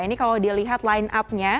ini kalau dilihat line up nya